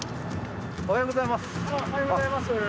おはようございます。